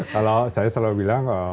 kalau saya selalu bilang